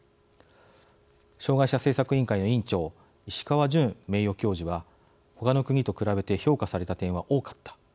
障害者政策委員会の委員長石川准名誉教授は「他の国と比べて評価された点は多かった。